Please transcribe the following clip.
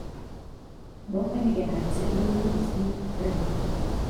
Noch eine Gehaltserhöhung ist nicht drin.